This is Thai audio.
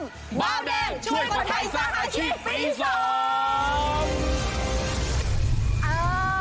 เบาแดงช่วยประไทยสรรคาชิกปีสอง